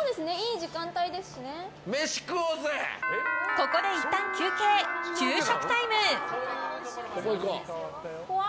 ここでいったん休憩昼食タイム。